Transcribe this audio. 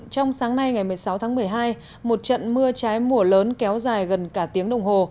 trong sáng nay ngày một mươi sáu tháng một mươi hai một trận mưa trái mùa lớn kéo dài gần cả tiếng đồng hồ